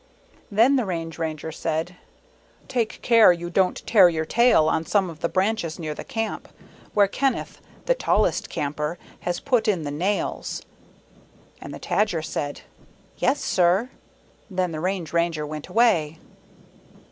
Then the Range Ranger said, "Take care you don't tear your tail on some of the branches near the Camp, where Kenneth, the tallest Camper, has put in the nails." And the Tajer said, "Yes, sir." Then the Range Ranger went away.